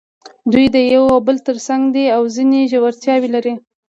دوی د یو او بل تر څنګ دي او ځینې ژورتیاوې لري.